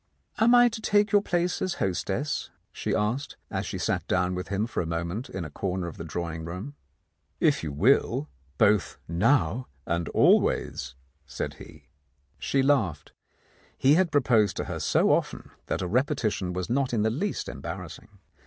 "Am I to take your place as hostess? " she asked, as she sat down with him for a moment in a corner of the drawing room. "If you will, both now and always," said he. She laughed ; he had proposed to her so often that a repetition was not in the least embarrassing.